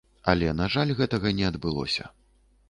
Але, на жаль, гэтага не адбылося.